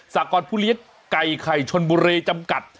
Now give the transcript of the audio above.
สากรผู้เลี้ยงไก่ไข่ชนบุรีจำกัด